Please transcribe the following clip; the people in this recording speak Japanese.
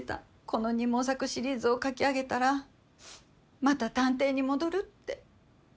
この『二毛作』シリーズを書き上げたらまた探偵に戻るって。